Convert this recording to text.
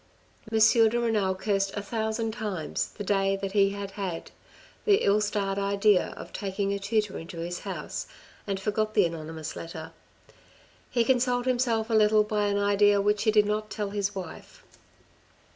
M. de Renal cursed a thousand times the day that he had had the ill starred idea of taking a tutor into his house, and forgot the anonymous letter. He consoled himself a little by an idea which he did not tell his wife.